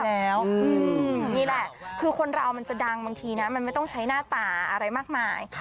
นี่แหละคือคนเรามันจะดังบางทีนะมันไม่ต้องใช้หน้าตาอะไรมากมาย